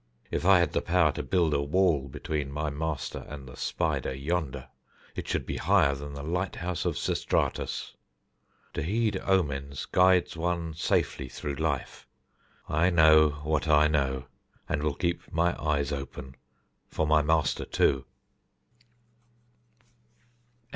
"If I had the power to build a wall between my master and the spider yonder, it should be higher than the lighthouse of Sostratus. To heed omens guides one safely through life. I know what I know, and will keep my eyes open, for my master too."